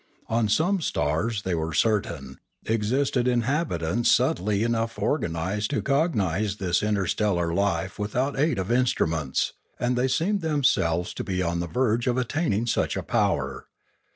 On some stars, they were cer tain, existed inhabitants subtly enough organised to cognise this interstellar life without aid of instruments; and they seemed themselves to be on the verge of attaining such a power.